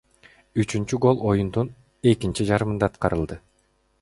Үчүнчү гол оюндун экинчи жарымында аткарылды.